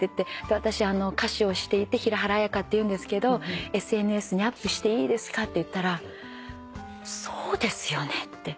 私歌手をしていて平原綾香っていうんですけどＳＮＳにアップしていいですかって言ったら「そうですよね」って。